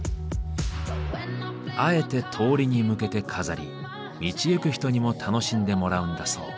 あえて通りに向けて飾り道行く人にも楽しんでもらうんだそう。